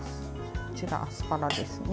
こちら、アスパラですね。